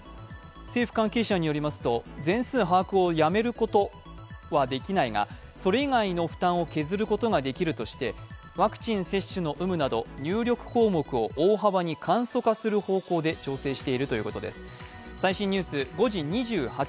政府関係者によりますと全数把握をやめることはできないがそれ以外の負担を削ることができるとしてワクチン接種の有無など入力項目を大幅に簡素化する方向で調整しているということです。